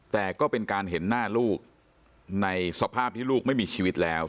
แต่ก็เป็นการเห็นหน้าลูกในสภาพที่ลูกไม่มีชีวิตแล้ว